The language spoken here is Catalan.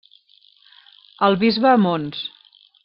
El bisbe Mons.